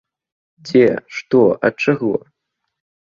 Дзе, што, ад чаго?